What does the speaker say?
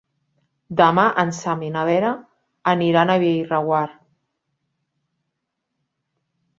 Demà en Sam i na Vera aniran a Bellreguard.